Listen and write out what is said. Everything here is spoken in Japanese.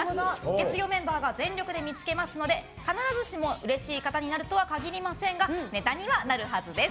月曜メンバーが全力で見つけますので、必ずしもうれしい方になるとは限りませんがネタにはなるはずです。